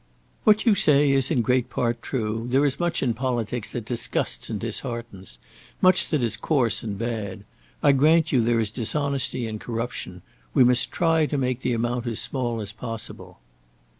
"What you say is in great part true. There is much in politics that disgusts and disheartens; much that is coarse and bad. I grant you there is dishonesty and corruption. We must try to make the amount as small as possible."